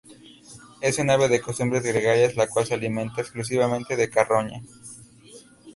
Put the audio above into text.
Es un ave de costumbres gregarias, la cual se alimenta exclusivamente de carroña.